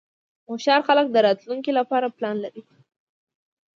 هوښیار خلک د راتلونکې لپاره پلان لري.